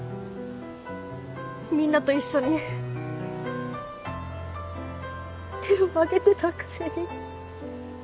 みんなと一緒に手を挙げてたくせに。